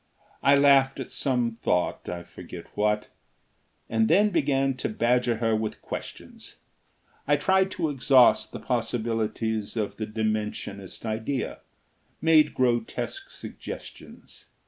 I laughed at some thought, I forget what, and then began to badger her with questions. I tried to exhaust the possibilities of the Dimensionist idea, made grotesque suggestions.